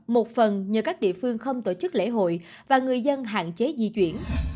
một phần nhờ các địa phương không tổ chức lễ hội và người dân hạn chế di chuyển